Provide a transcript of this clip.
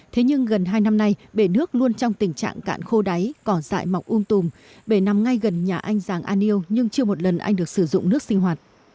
thế nhưng gần hai năm nay bể nước luôn trong tình trạng cạn khô đáy cỏ dại mọc um tùm bể nằm ngay gần nhà anh giàng an yêu nhưng chưa một lần anh được sử dụng nước sinh hoạt